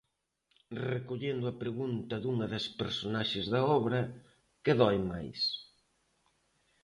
Recollendo a pregunta dunha das personaxes da obra, que doe máis?